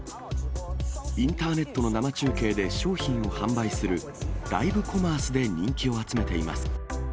インターネットの生中継で商品を販売する、ライブコマースで人気を集めています。